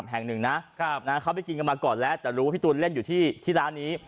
เขาไปกินกันมาก่อนแล้วแต่รู้ว่าพี่ตูนเล่นอยู่ที่ร้านนี้